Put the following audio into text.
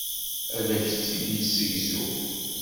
Ad ak-tt-id-yessegzu.